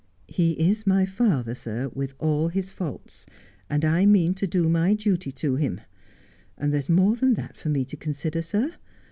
He is my father, sir, with all his faults, and I mean to do my duty to him ; and there's more than that for me to consider, sir.